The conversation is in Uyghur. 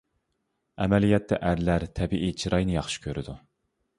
ئەمەلىيەتتە ئەرلەر تەبىئىي چىراينى ياخشى كۆرىدۇ.